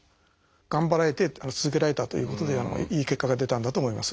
頑張られて続けられたということでいい結果が出たんだと思います。